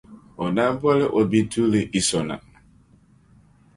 o daa boli o bituuli Iso na.